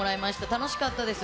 楽しかったです。